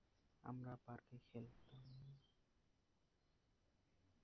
আমরা পার্কে খেলতাম।